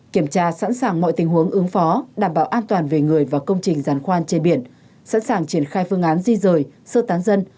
kiểm tra sẵn sàng mọi tình huống ứng phó đảm bảo an toàn về người và công trình giàn khoan trên biển sẵn sàng triển khai phương án di rời sơ tán dân